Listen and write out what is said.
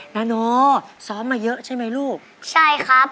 นาโนซ้อมมาเยอะใช่ไหมลูกใช่ครับ